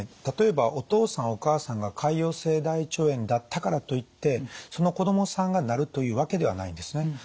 例えばお父さんお母さんが潰瘍性大腸炎だったからといってその子供さんがなるというわけではないんですね。